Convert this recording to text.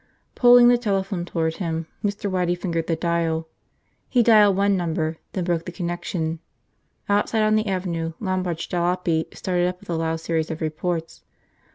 Pulling the telephone toward him, Mr. Waddy fingered the dial. He dialed one number, then broke the connection. Outside on the avenue Lombard's jallopy started up with a loud series of reports.